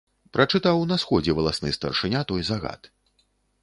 Прачытаў на сходзе валасны старшыня той загад.